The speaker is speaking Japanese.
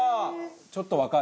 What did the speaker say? ちょっとわかる。